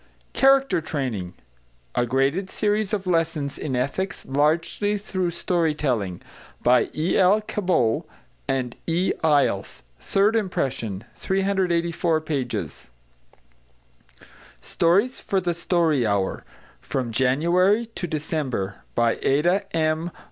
=Character Training= A Graded Series of Lessons in Ethics, largely through Story telling. By E.L. CABOT and E. EYLES. Third Impression. 384 pages. =Stories for the Story Hour= From January to December. By ADA M.